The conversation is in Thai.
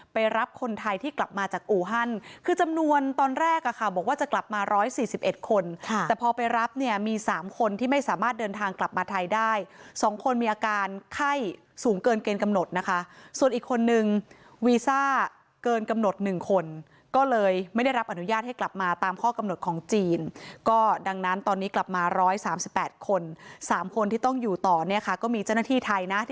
รับคนไทยที่กลับมาจากอูฮันคือจำนวนตอนแรกอะค่ะบอกว่าจะกลับมา๑๔๑คนแต่พอไปรับเนี่ยมี๓คนที่ไม่สามารถเดินทางกลับมาไทยได้๒คนมีอาการไข้สูงเกินเกณฑ์กำหนดนะคะส่วนอีกคนนึงวีซ่าเกินกำหนด๑คนก็เลยไม่ได้รับอนุญาตให้กลับมาตามข้อกำหนดของจีนก็ดังนั้นตอนนี้กลับมา๑๓๘คน๓คนที่ต้องอยู่ต่อเนี่ยค่ะก็มีเจ้าหน้าที่ไทยนะ